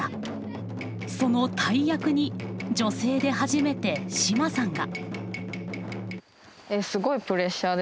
その大役に女性で初めて島さんが。